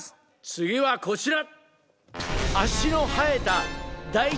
次はこちら。